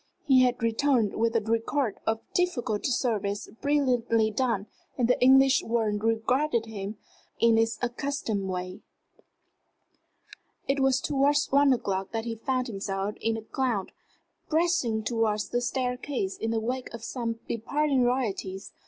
He had returned with a record of difficult service brilliantly done, and the English world rewarded him in its accustomed ways. It was towards one o'clock that he found himself in a crowd pressing towards the staircase in the wake of some departing royalties.